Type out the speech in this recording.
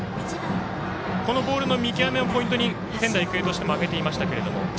このボールの見極めをポイントに仙台育英としても挙げていましたが。